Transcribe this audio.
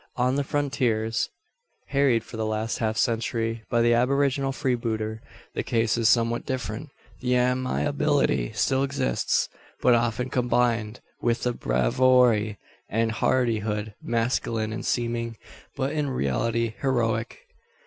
On the frontiers, harried for the last half century by the aboriginal freebooter, the case is somewhat different. The amiability still exists; but often combined with a bravourie and hardihood masculine in seeming, but in reality heroic.